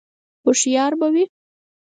_هوښيار به وي؟